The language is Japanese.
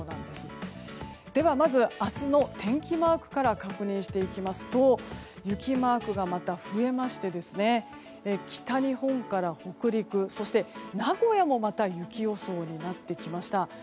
では、まず明日の天気マークから確認していきますと雪マークがまた増えまして北日本から北陸、そして名古屋もまた雪予想になってきました。